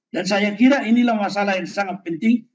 dan saya kira inilah masalah yang sangat penting